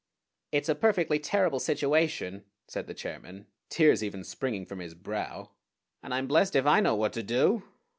"It's a perfectly terrible situation," said the chairman, tears even springing from his brow, "and I'm blest if I know what to do!"